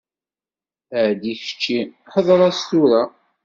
Ɛeddi kečči hḍeṛ-as tura.